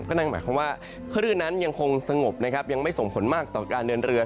นั่นหมายความว่าคลื่นนั้นยังคงสงบนะครับยังไม่ส่งผลมากต่อการเดินเรือ